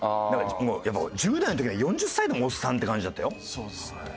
やっぱ１０代の時なんか４０歳でもおっさんって感じだったよ。